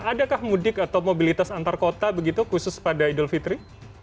adakah mudik atau mobilitas antar kota begitu khusus pada idul fitri